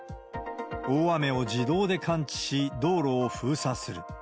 大雨を自動で感知し、道路を封鎖する。